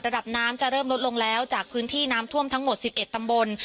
ระดับน้ำจะเริ่มลดลงแล้วจากพื้นที่น้ำท่วมทั้งหมด๑๑ตำบล